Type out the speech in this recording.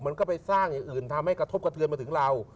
มันก็ไปสร้างอย่างอื่นทำให้กระทบกระเทือนมาถึงเรา